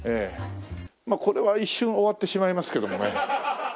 まあこれは一瞬終わってしまいますけどもね。